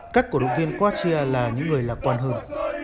các cổ động viên quartia là những người lạc quan hơn